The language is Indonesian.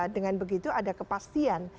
dengan begitu ada kepastian